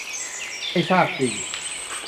ไม่ทราบจริง